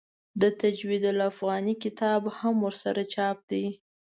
د تجوید الافغاني کتاب هم ورسره چاپ دی.